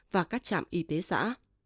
và các trạm y tế xã